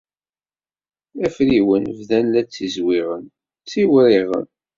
Afriwen bdan la ttizwiɣen, ttiwriɣen.